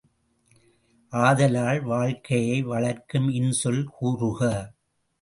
ஆதலால் வாழ்க்கையை வளர்க்கும் இன்சொல் கூறுக!